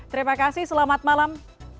terima kasih selamat malam